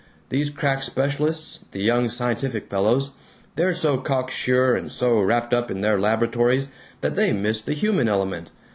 These crack specialists, the young scientific fellows, they're so cocksure and so wrapped up in their laboratories that they miss the human element.